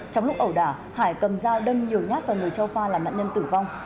trong lúc ẩu đả hải cầm dao đâm nhiều nhát vào người châu pha làm nạn nhân tử vong